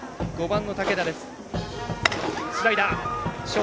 ５番の武田です。